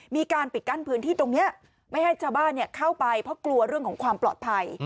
มีการปิดกั้นพื้นที่ตรงนี้ไม่ให้ชาวบ้านเข้าไปเพราะกลัวเรื่องของความปลอดภัย